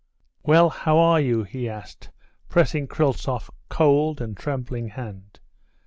"Well, how are you?" he asked, pressing Kryltzoff's cold and trembling hand.